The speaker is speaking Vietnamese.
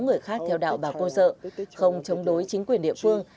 người khác theo đạo bà cô dợ không chống đối chính quyền địa phương